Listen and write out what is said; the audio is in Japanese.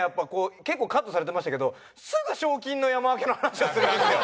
カットされてましたけどすぐ賞金の山分けの話をするんですよ。